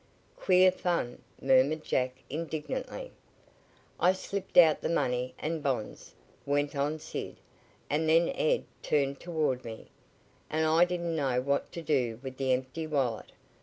"Queer fun," murmured Jack indignantly. "I slipped out the money and bonds," went on Sid, "and then Ed turned toward me, and I didn't know what to do with the empty wallet.